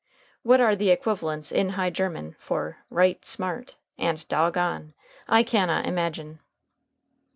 What are the equivalents in High German for "right smart" and "dog on" I cannot imagine.